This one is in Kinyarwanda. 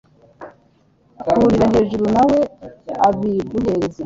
Hurira hejuru nawe abiguhereze